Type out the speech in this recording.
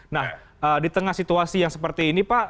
nah di tengah situasi yang seperti ini pak